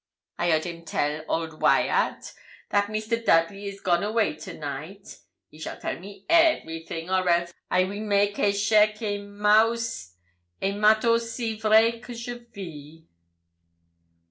I heard him tell old Wyat that Mr. Dudley is gone away to night. He shall tell me everything, or else I weel make echec et mat aussi vrai que je vis.'